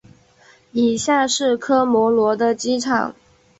以下是科摩罗的机场。